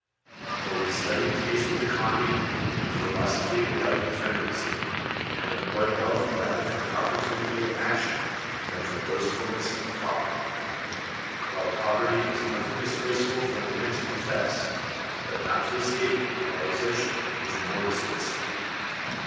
For we study taste with economy, and philoso phy without effeminacy; and employ wealth rather for opportunity of action than for boast fulness of talking; while poverty is nothing dis graceful for a man to confess, but not to escape it by exertion is more disgraceful.